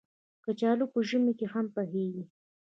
کچالو په ژمي کې هم پخېږي